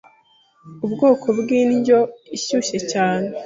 ubwoko bw'indyo ishyushye cyane.